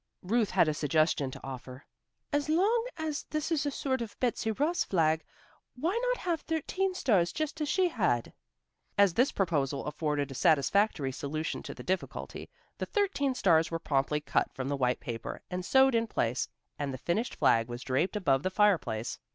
Ruth had a suggestion to offer. "As long as this is a sort of Betsy Ross flag, why not have thirteen stars, just as she had?" As this proposal afforded a satisfactory solution to the difficulty, the thirteen stars were promptly cut from white paper and sewed in place, and the finished flag was draped above the fireplace.